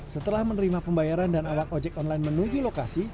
setelah menerima pembayaran dan awak ojek online menuju lokasi